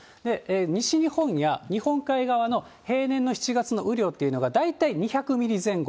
西日本や日本海側の平年の７月の雨量っていうのが大体２００ミリ前後。